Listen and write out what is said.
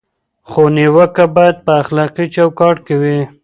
خو نیوکه باید په اخلاقي چوکاټ کې وي.